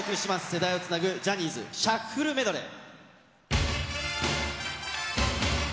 世代をつなぐジャニーズシャッフルメドレー。